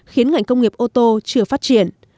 khiến ngành công nghiệp ô tô chưa phát triển